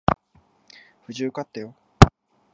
無事受かったよ。